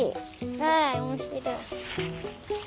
わあおもしろい。